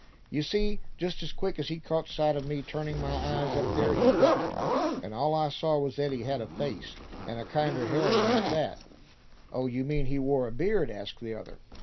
"You see, just as quick as he caught sight of me turning my eyes up there, he ducked. And all I saw was that he had a face, and a kinder hairy one at that." "Oh! you mean he wore a beard?" asked the other.